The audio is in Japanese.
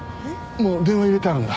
もう電話入れてあるんだ。